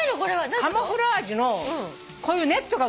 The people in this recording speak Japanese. カムフラージュのこういうネットが売ってるわけ。